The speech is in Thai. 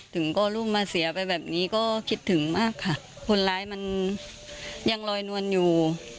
ถึงก็ลูกมาเสียไปแบบนี้ก็คิดถึงมากค่ะคนร้ายมันยังลอยนวลอยู่